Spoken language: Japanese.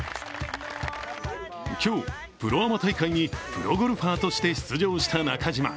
今日、プロアマ大会にプロゴルファーとして出場した中島。